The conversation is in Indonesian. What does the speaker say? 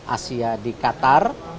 asia di qatar